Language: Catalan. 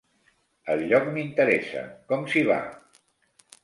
El lloc m'interessa: com s'hi va?